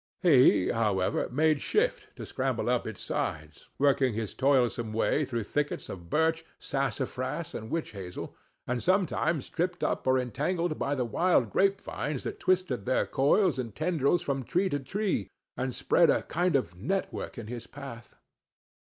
He, however, made shift to scramble up its sides, working his toilsome way through thickets of birch, sassafras, and witch hazel, and sometimes tripped up or entangled by the[Pg 12] wild grapevines that twisted their coils or tendrils from tree to tree, and spread a kind of network in his path.